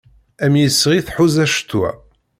Am yisɣi tḥuza ccetwa.